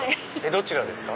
どちらですか？